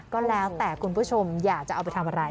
ก็แล้วแต่คุณผู้ชมอยากจะเอาไปทำอะไร